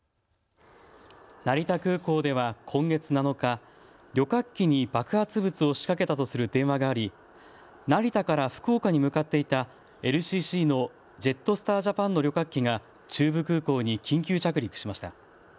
成田空港では今月７日、旅客機に爆発物を仕掛けたとする電話があり成田から福岡に向かっていたＬＣＣのジェットスター・ジャパンの旅客機が中部空港に緊急着陸しました。